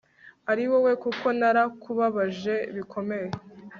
ari wowe kuko narakubabaje bikomeye